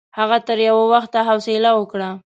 هغه تر یوه وخته حوصله وکړه.